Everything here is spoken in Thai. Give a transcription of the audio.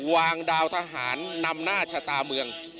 วางดาวทหารนำหน้าชะตาเมือง